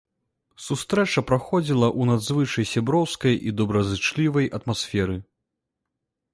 Сустрэча праходзіла ў надзвычай сяброўскай і добразычлівай атмасферы.